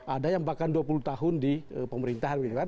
ada yang bahkan dua puluh tahun di pemerintahan